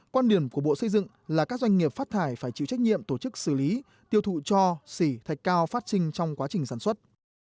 quan điểm của bộ xây dựng là các doanh nghiệp phát thải phải chịu trách nhiệm tổ chức xử lý tiêu thụ cho xỉ thạch cao phát sinh trong quá trình sản xuất